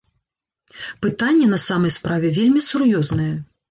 Пытанне на самай справе вельмі сур'ёзнае.